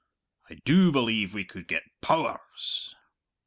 I do believe we could get Pow ers."